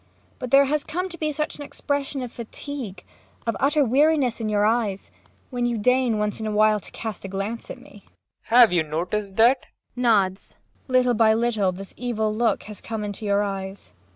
But there has come to be such an expression of fatigue, of utter weariness, in your eyes when you deign, once in a while, to cast a glance at me. PROFESSOR RUBEK. Have you noticed that? MAIA. [Nods.] Little by little this evil look has come into your eyes.